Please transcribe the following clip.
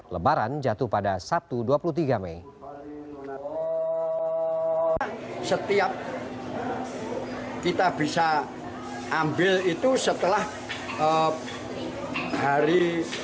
lebaran jatuh pada sabtu dua puluh tiga mei